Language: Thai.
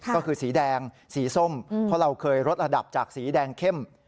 ก็คือสีแดงสีส้มเพราะเราเคยลดระดับจากสีแดงเข้ม